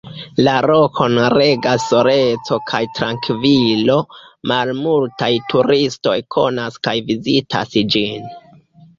La rokon regas soleco kaj trankvilo; malmultaj turistoj konas kaj vizitas ĝin.